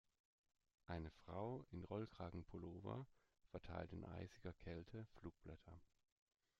Eine Frau in Rollkragenpullover verteilt in eisiger Kälte Flugblätter.